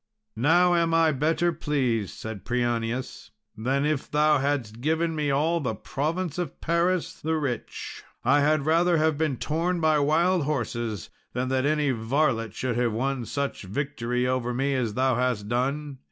"Now am I better pleased," said Prianius, "than if thou hadst given me all the province of Paris the rich. I had rather have been torn by wild horses than that any varlet should have won such victory over me as thou hast done.